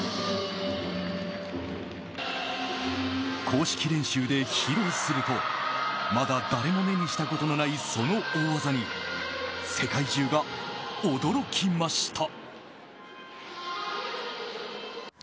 公式練習で披露するとまだ誰も目にしたことのないその大技に、世界中が驚きました。